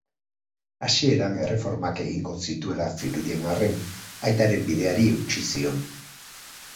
Hasieran erreformak egingo zituela zirudien arren, aitaren bideari eutsi zion.